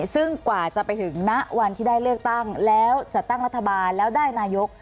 ซึ่งกว่าจะไปถึงณวันที่ได้เลือกตั้งแล้วจัดตั้งรัฐบาลแล้วได้นายก